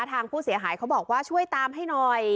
ทางผู้เสียหายเขาบอกว่าช่วยตามให้หน่อย